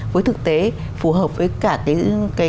với thực tế phù hợp với cả cái